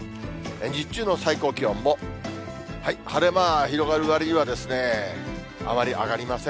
日中の最高気温も、晴れ間は広がるわりには、あまり上がりません。